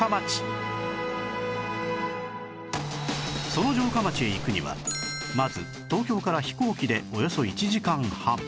その城下町へ行くにはまず東京から飛行機でおよそ１時間半